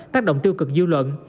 tác động tiêu cực dư luận